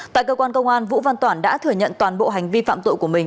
tại cơ quan công an vũ văn toản đã thừa nhận toàn bộ hành vi phạm tội của mình